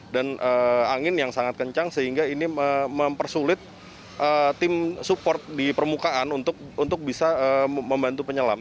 dan angin yang sangat kencang sehingga ini mempersulit tim support di permukaan untuk bisa membantu penyelam